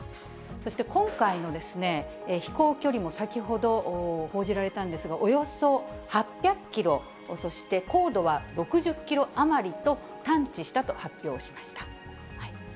そして今回の飛行距離も、先ほど報じられたんですが、およそ８００キロ、そして高度は６０キロ余りと探知したと発表しました。